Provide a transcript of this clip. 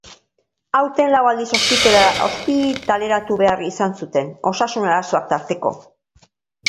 Aurten, lau aldiz ospitaleratu behar izan zuten, osasun arazoak tarteko.